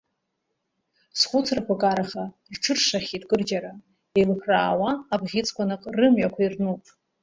Схәыцрақәа караха рҽыршахьеит кырџьара, еилыԥраауа абӷьыцқәа наҟ рымҩақәа ирнуп.